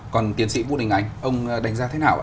còn tiến sĩ vũ đình ánh ông đánh giá thế nào